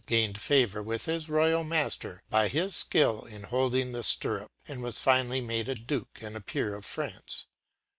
gained favour with his royal master by his skill in holding the stirrup, and was finally made a duke and peer of France.